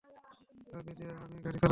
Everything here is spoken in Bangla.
চাবি দে, আমি গাড়ি চালাবো।